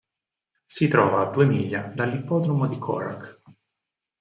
Si trova a due miglia dall'ippodromo di Cork.